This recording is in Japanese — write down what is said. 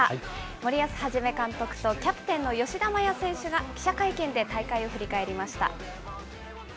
森保一監督とキャプテンの吉田麻也選手が記者会見で大会を振り返りました。